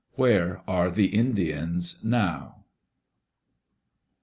Where are the Indians now?